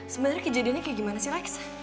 sebenernya kejadiannya kayak gimana sih lex